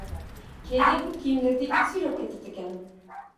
Кээде бут кийимдерди ит сүйрөп кетет экен.